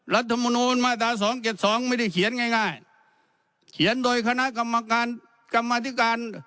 รัฐมนูลมาตราสองเจ็ดสองไม่ได้เขียนง่ายง่ายเขียนโดยคณะกรรมการกรรมธิการ